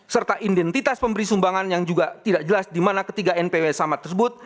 serta identitas pemberi sumbangan yang juga tidak jelas di mana ketiga npw sama tersebut